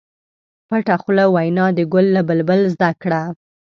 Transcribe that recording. پټه خوله وینا د ګل له بلبل زده کړه.